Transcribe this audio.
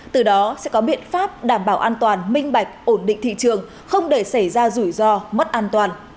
từ đó sẽ có biện pháp đảm bảo an toàn minh bạch ổn định thị trường không để xảy ra rủi ro mất an toàn